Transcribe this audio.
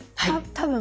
多分。